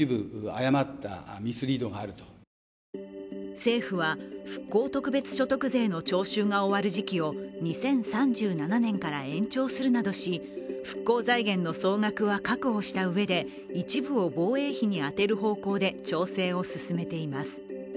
政府は、復興特別所得税の徴収が終わる時期を２０３７年から延長するなどし、復興財源の総額は確保したうえで、一部を防衛費に充てる方向で調整を進めています。